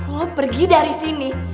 lu pergi dari sini